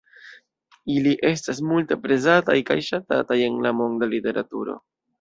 Ili estas multe aprezataj kaj ŝatataj en la monda literaturo.